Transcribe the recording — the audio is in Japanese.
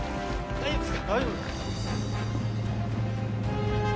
大丈夫です。